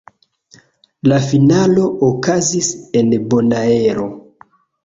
La finalo okazis en Bonaero.